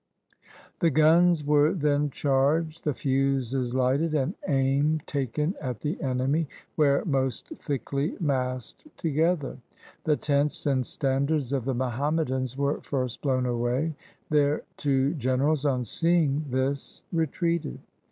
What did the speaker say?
The guns were then charged, the fuses lighted, and aim taken at the enemy where most thickly massed together. The tents and standards of the Muham madans were first blown away. Their two generals on seeing this retreated.